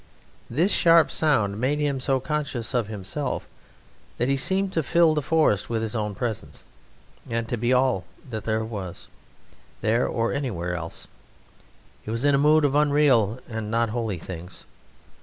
This sharp sound made him so conscious of himself that he seemed to fill that forest with his own presence and to be all that was, there or elsewhere. He was in a mood of unreal and not holy things.